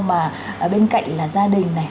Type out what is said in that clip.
mà bên cạnh là gia đình